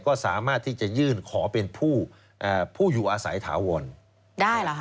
ก็สามารถที่จะยื่นขอเป็นผู้อยู่อาศัยถาวรได้เหรอคะ